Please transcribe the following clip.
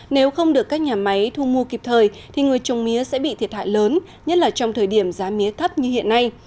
nếu không được các nhà máy thu mua kịp thời thì người trồng mía sẽ bị thiệt hại lớn nhất là trong thời điểm giá mía thấp như hiện nay